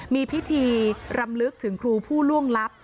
มีพิธีรำลึกถึงครูผู้ล่วงลับ